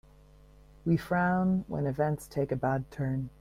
We frown when events take a bad turn.